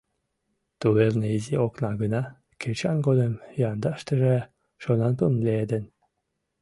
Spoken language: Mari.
Тувелне изи окна гына, кечан годым яндаштыже шонанпыл лиеден.